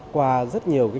qua rất nhiều trang